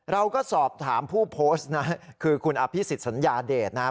เราก็สอบถามผู้โพสต์นะคือคุณอภิษฎสัญญาเดชนะ